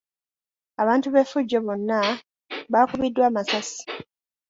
Abantu b'effujjo bonna baakubiddwa amasasi.